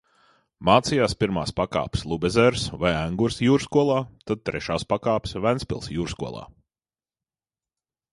Mācījās pirmās pakāpes Lubezeres vai Engures jūrskolā, tad trešās pakāpes Ventspils jūrskolā.